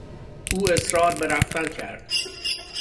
او اصرار به رفتن کرد.